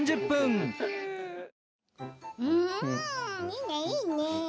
いいね、いいね。